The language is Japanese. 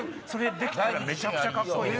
めちゃくちゃカッコいい。